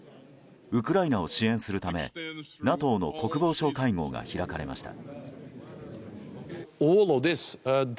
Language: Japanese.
ウクライナを支援するためＮＡＴＯの国防相会合が開かれました。